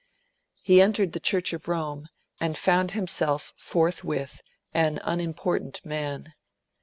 He entered the Church of Rome, and found himself forthwith an unimportant man.